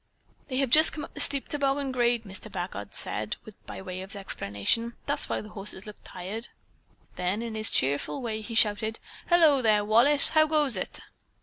"They have just come up the steep Toboggan Grade," Mr. Packard said by way of explanation. "That's why the horses look tired." Then in his cheerful way he shouted: "Hello, there, Wallace. How goes it?"